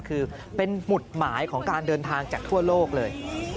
คือเป็นหมุดหมายของการเดินทางจากทั่วโลกเลย